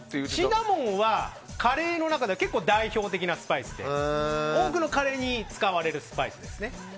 シナモンは、カレーの中では結構、代表的なスパイスで多くのカレーに使われるスパイスですね。